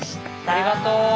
ありがとう。